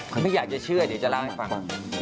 เขาไม่อยากจะเชื่อเดี๋ยวจะเล่าให้ฟัง